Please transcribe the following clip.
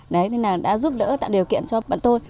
đấy nên là đã giúp đỡ tạo điều kiện cho bọn tôi